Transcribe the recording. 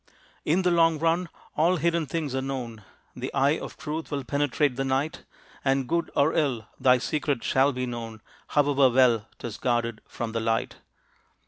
In the long run all hidden things are known, The eye of truth will penetrate the night, And good or ill, thy secret shall be known, However well 'tis guarded from the light.